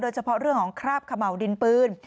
โดยเฉพาะเรื่องของคราบขะเหมาดินปืน